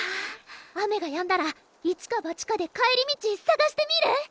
雨がやんだらいちかばちかで帰り道探してみる？